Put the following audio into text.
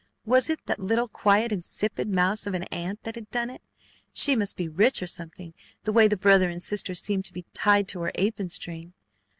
Was it that little, quiet, insipid mouse of an aunt that had done it? She must be rich or something, the way the brother and sister seemed to be tied to her apron string.